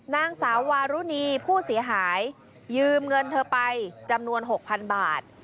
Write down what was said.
นางสาววารุณีผู้เสียหายยืมเงินเธอไปจำนวน๖๐๐๐บาท